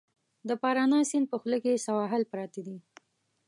د پارانا سیند په خوله کې سواحل پراته دي.